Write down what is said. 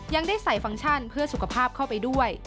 ยังได้ใส่ฟังก์ชั่นเพื่อสุขภาพเข้าไปด้วย